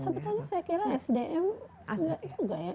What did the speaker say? sebetulnya saya kira sdm agak juga ya